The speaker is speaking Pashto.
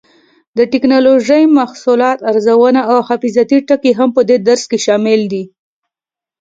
د ټېکنالوجۍ محصولاتو ارزونه او حفاظتي ټکي هم په دې درس کې شامل دي.